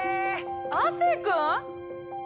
亜生君！？